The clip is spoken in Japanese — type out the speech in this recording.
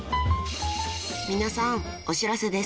［皆さんお知らせです］